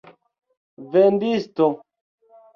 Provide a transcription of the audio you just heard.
vendisto